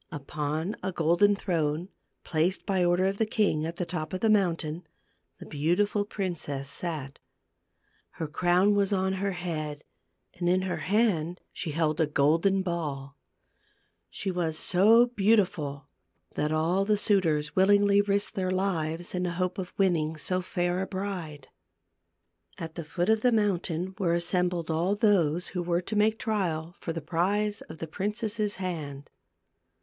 Upon a golden throne, placed, by order of the king, at the top of the mountain, the beautiful princess sat. Her crown was on her head, and in her hand she held a golden ball. She was so beautiful that 266 THE GLASS MOUNTAIN. all the suitors willingly risked their lives in the hope of winning so fair a bride. At the foot of the mountain were assembled all those who were to make trial for the prize of the princess's hand.